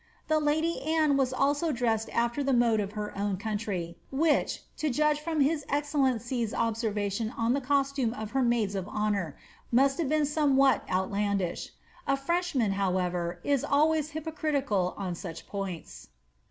^ The lady Anne was also dressed after the mode of her own country, which, to judge from his excellency^ observation on the costume of her maids of honour, must have beei somewhat outlandish. A Frenchman, however, is always hypercritical on such points.